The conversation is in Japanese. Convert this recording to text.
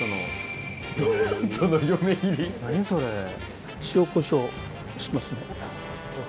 それ。